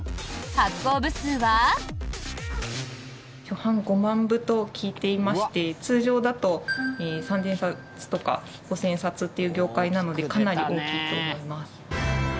初版５万部と聞いていまして通常だと３０００冊とか５０００冊という業界なのでかなり大きいと思います。